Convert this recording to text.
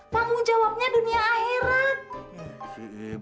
tanggung jawabnya dunia akhirat